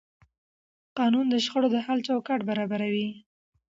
قانون د شخړو د حل چوکاټ برابروي.